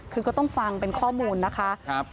คือก็ต้องฟังเป็นข้อมูลนะคะ